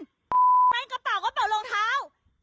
กระเป๋ากระเป๋ากระเป๋าโรงเท้า